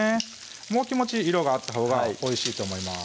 もう気持ち色があったほうがおいしいと思います